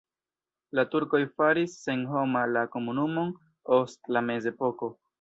La turkoj faris senhoma la komunumon ost la mezepoko.